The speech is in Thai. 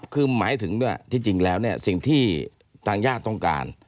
คือหมายถึงที่จริงแล้วเนี่ยสิ่งที่ทางญาติต้องการ